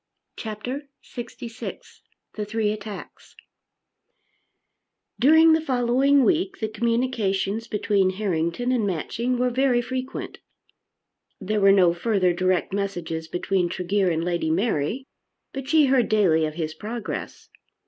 CHAPTER LXVI The Three Attacks During the following week the communications between Harrington and Matching were very frequent. There were no further direct messages between Tregear and Lady Mary, but she heard daily of his progress.